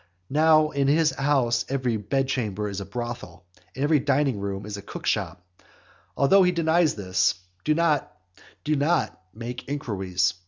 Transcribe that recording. Now in his house every bedchamber is a brothel, and every dining room a cookshop. Although he denies this: Do not, do not make inquiries.